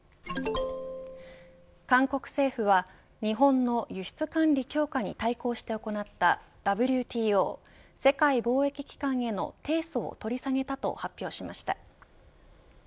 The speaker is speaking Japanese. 韓国政府は日本の輸出管理強化に対抗して行ったＷＴＯ世界貿易機関への提訴を取り下げたと発表しました。